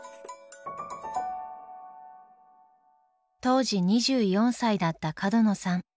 当時２４歳だった角野さん。